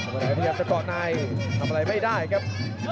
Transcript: ทำอะไรที่ยังจะเกาะในทำอะไรไม่ได้ครับ